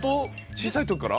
小さい時から？